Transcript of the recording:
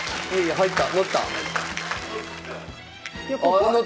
入った。